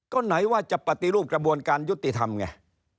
ก็ไหนว่าจะปฏิรูปกระบวนการยุติธรรมไง